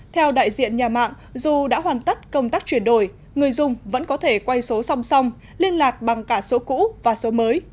theo đại diện nhà mạng dù đã hoàn tất công tác chuyển đổi người dùng vẫn có thể quay số song song liên lạc bằng cả số cũ và số mới